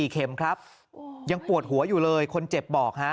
๒๔เข็มครับ